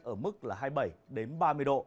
ở mức là hai mươi bảy đến ba mươi độ